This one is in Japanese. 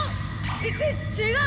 ちちがう！